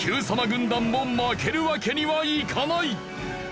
軍団も負けるわけにはいかない。